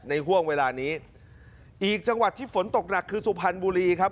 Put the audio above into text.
ห่วงเวลานี้อีกจังหวัดที่ฝนตกหนักคือสุพรรณบุรีครับ